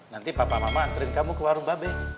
nanti papa mama anterin kamu ke warung babeh